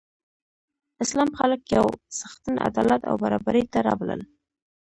اسلام خلک یو څښتن، عدالت او برابرۍ ته رابلل.